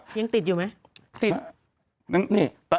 ยังติดอยู่ไหม